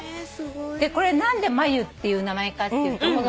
これ何でまゆっていう名前かというと。